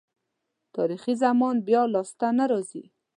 تاریخي زمان بیا لاسته نه راځي.